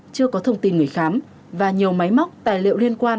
chưa có thông tin người khám và nhiều máy móc tài liệu liên quan